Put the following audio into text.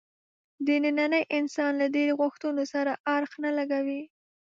د ننني انسان له ډېرو غوښتنو سره اړخ نه لګوي.